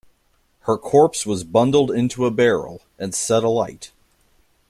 Her corpse was bundled into a barrel, and set alight.